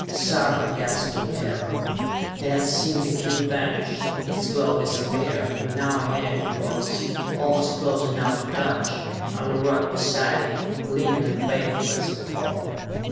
Sarka gasped in terror. He had seen the cube vanish, its glow disappear, and now here it was, almost close enough to touch, on a rock beside him, gleaming and baleful as before!